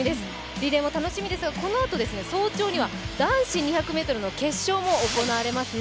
リレーも楽しみですが、このあと早朝には男子２００ｍの決勝も行われますね。